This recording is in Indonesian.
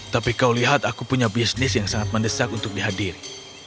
tapi kau lihat aku punya bisnis yang sangat mendesak untuk dihadiri